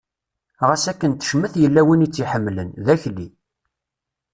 Ɣas akken tecmet yella win i tt-iḥemmlen, d Akli.